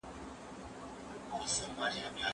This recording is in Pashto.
هغه به له ډېر وخت راهيسي د دې موخي له پاره منډي وهلې وي.